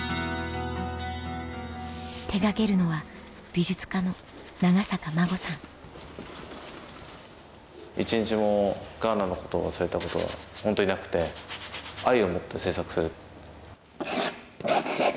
手掛けるのは一日もガーナのことを忘れたことはホントになくて愛を持って制作する。